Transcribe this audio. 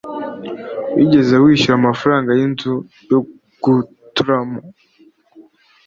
Wigeze wishyura amafaranga y inzu yo gutramo